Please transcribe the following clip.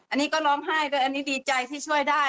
อันนี้ก็ร้องไห้ด้วยอันนี้ดีใจที่ช่วยได้